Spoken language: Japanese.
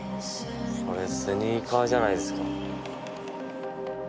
これスニーカーじゃないですか？